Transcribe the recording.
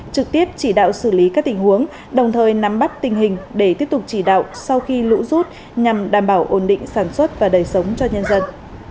trực tiếp chỉ đạo xử lý các tình huống đồng thời nắm bắt tình hình để tiếp tục chỉ đạo sau khi lũ rút nhằm đảm bảo ổn định sản xuất và đời sống cho nhân dân